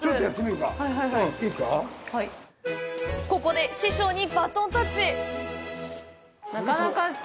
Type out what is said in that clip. ここで師匠にバトンタッチ。